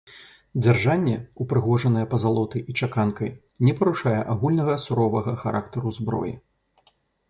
Дзяржанне, упрыгожанае пазалотай і чаканкай, не парушае агульнага суровага характару зброі.